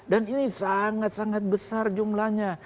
ini sangat sangat besar jumlahnya